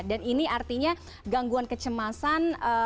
dan ini artinya gangguan kecemasan